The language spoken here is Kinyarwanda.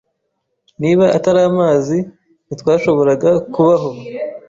Niba atari amazi, ntitwashoboraga kubaho.